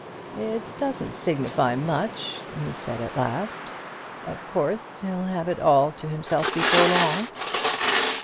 "It doesn't signify much," he said, at last. "Of course he'll have it all to himself before long."